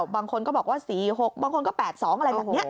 บางคนก็บอกว่า๔๖บางคนก็๘๒อะไรแบบนี้